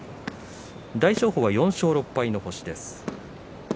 大翔鵬は４勝６敗です。